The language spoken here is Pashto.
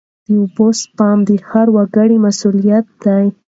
د اوبو سپما د هر وګړي مسوولیت دی.